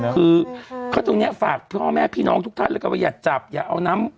คือเขาตรงนี้ฝากพ่อแม่พี่น้องทุกท่านแล้วกันว่าอย่าจับอย่าเอาน้ำ